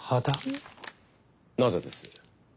なぜです？